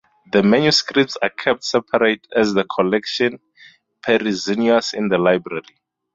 The manuscripts are kept separate as the Collection Perizonius in the library.